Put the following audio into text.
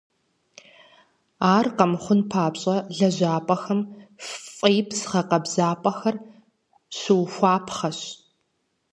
Ар къэмыхъун папщӏэ, лэжьапӏэхэм фӏеипс гъэкъэбзапӏэхэр щыухуапхъэщ.